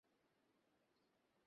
বলিয়া বিভাকে ধরিয়া তুলিয়া আনিল।